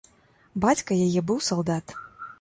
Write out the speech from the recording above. Бацька яе быў салдат.